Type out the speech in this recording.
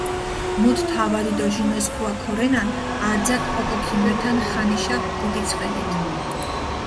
მუთ თავადი დო ჟინოსქუა ქორენან, არძაქ ოკო ქიმერთან ხანიშა დიდი ძღვენით.